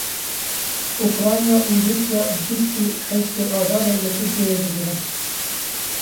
Ukrayna û Rûsya bîst û heştê Adarê li Tirkiyeyê dicivin.